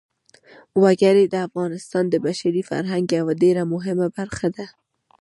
وګړي د افغانستان د بشري فرهنګ یوه ډېره مهمه برخه ده.